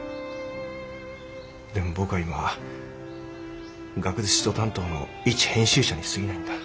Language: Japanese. でも僕は今学術書担当の一編集者にすぎないんだ。